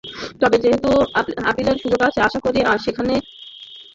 তবে যেহেতু আপিলের সুযোগ আছে, আশা করছি সেখানে বিসিবি নমনীয় হবে।